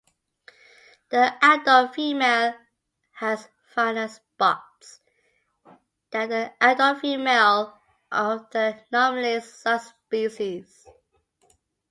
The adult female has finer spots than the adult female of the nominate subspecies.